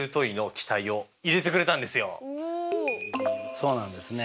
そうなんですね。